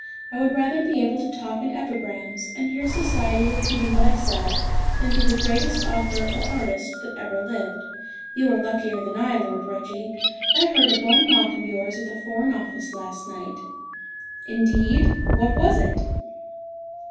I would rather be able to talk in epigrams, and hear Society repeating what I said, than be the greatest author or artist that ever lived. You are luckier than I, Lord Reggie. I heard a bon mot of yours at the Foreign Office last night." "Indeed. What was it?"